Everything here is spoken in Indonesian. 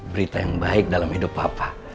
berita yang baik dalam hidup apa